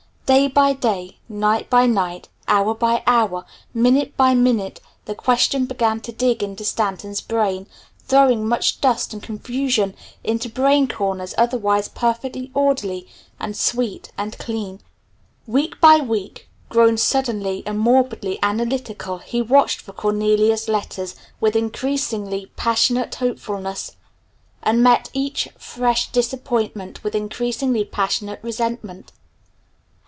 Day by day, night by night, hour by hour, minute by minute, the question began to dig into Stanton's brain, throwing much dust and confusion into brain corners otherwise perfectly orderly and sweet and clean. Week by week, grown suddenly and morbidly analytical, he watched for Cornelia's letters with increasingly passionate hopefulness, and met each fresh disappointment with increasingly passionate resentment.